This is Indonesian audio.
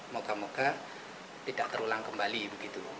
moga moga tidak terulang kembali begitu